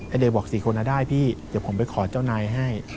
เดย์บอก๔คนได้พี่เดี๋ยวผมไปขอเจ้านายให้